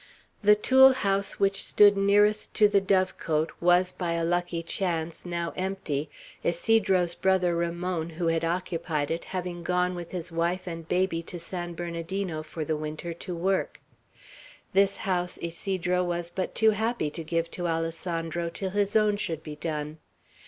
The tule house which stood nearest to the dove cote was, by a lucky chance, now empty. Ysidro's brother Ramon, who had occupied it, having gone with his wife and baby to San Bernardino, for the winter, to work; this house Ysidro was but too happy to give to Alessandro till his own should be done.